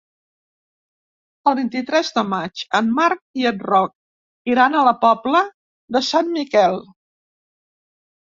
El vint-i-tres de maig en Marc i en Roc iran a la Pobla de Sant Miquel.